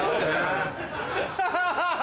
ハハハ！